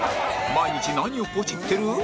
毎日何をポチってる？